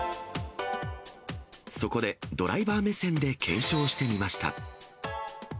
そこでドライバー目線で検証してみました。